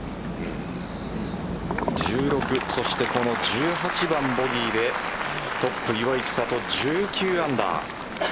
１６、そしてこの１８番ボギーでトップ・岩井千怜１９アンダー。